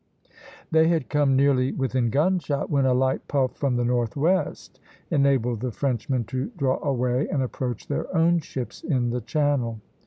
They had come nearly within gunshot, when a light puff from the northwest enabled the Frenchmen to draw away and approach their own ships in the channel.